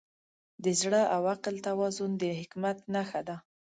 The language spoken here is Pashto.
د زړه او عقل توازن د حکمت نښه ده.